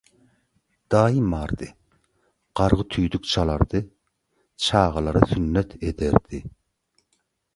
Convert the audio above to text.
Daýym bardy, gargy tüýdük çalardy, çagalary sünnet ederdi.